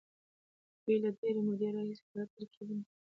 دوی له ډېرې مودې راهيسې غلط ترکيبونه کاروي.